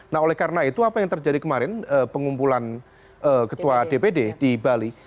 nah oleh karena itu apa yang terjadi kemarin pengumpulan ketua dpd di bali